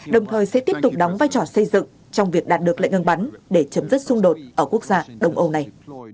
đồng thời sẽ tiếp tục đóng vai trò xây dựng trong việc đạt được lệnh ngừng bắn để chấm dứt xung đột ở quốc gia đông âu này